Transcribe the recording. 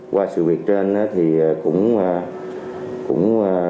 qua sự việc trên thì cũng dấy lên một cái cảnh sát